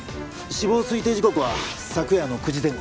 死亡推定時刻は昨夜の９時前後。